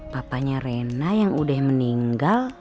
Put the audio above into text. papanya rena yang udah meninggal